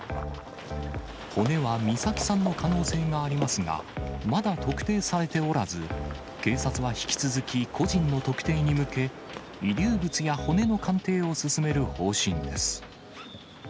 骨は美咲さんの可能性がありますが、まだ特定されておらず、警察は引き続き、個人の特定に向け、遺留物や骨の鑑定を進める方針です。